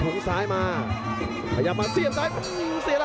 โหโหโหโหโหโหโหโหโหโหโหโหโหโห